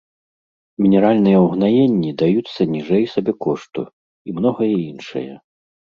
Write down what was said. Мінеральныя ўгнаенні даюцца ніжэй сабекошту, і многае іншае.